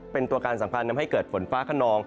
เป็นตัวการสัมพันธ์นำให้เกิดฝนฟ้ากระนอง